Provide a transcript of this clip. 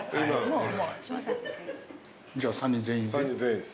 じゃあ３人全員で？